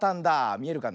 みえるかな？